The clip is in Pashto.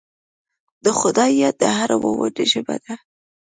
د خدای یاد د هر مؤمن ژبه ده.